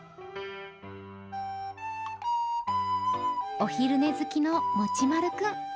お昼寝好きのもち丸くん。